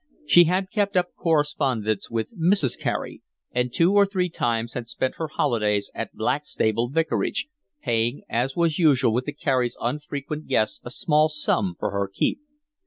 She had kept up a correspondence with Mrs. Carey, and two or three times had spent her holidays at Blackstable Vicarage, paying as was usual with the Careys' unfrequent guests a small sum for her keep.